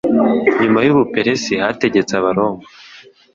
Nyuma y'Ubuperesi hategetse abaroma